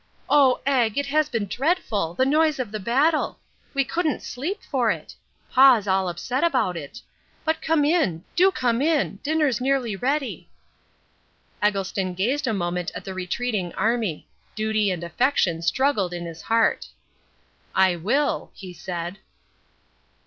Oh, Egg, it has been dreadful, the noise of the battle! We couldn't sleep for it. Pa's all upset about it. But come in. Do come in. Dinner's nearly ready." Eggleston gazed a moment at the retreating army. Duty and affection struggled in his heart. "I will," he said.